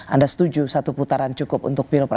anda setuju satu putaran cukup untuk pilpres